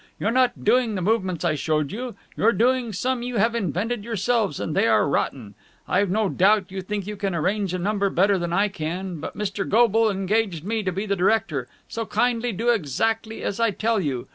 You're not doing the movements I showed you; you're doing some you have invented yourselves, and they are rotten! I've no doubt you think you can arrange a number better than I can, but Mr. Goble engaged me to be the director, so kindly do exactly as I tell you.